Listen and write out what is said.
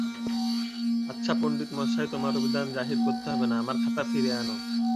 আচ্ছা পণ্ডিতমশায়, তোমার অভিধান জাহির করতে হবে না– আমার খাতা ফিরিয়ে আনো।